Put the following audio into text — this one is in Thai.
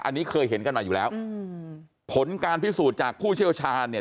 อันนี้เคยเห็นกันมาอยู่แล้วอืมผลการพิสูจน์จากผู้เชี่ยวชาญเนี่ย